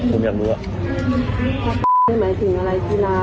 ตัวใช่มั้ยถึงอะไรกีฬาหรืออะไร